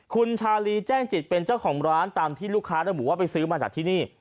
คุณชาลีแจ้งจิตเป็นเจ้าของร้านตามที่ลูกค้าระบุว่าไปซื้อมาจากที่นี่